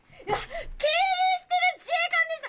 敬礼してる自衛官でした！